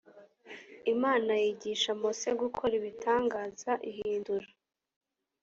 imana yigisha mose gukora ibitangaza ihindura